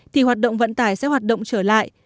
thì hoạt động vận tải sẽ hoạt động trở lại